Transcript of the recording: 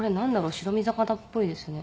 白身魚っぽいですね。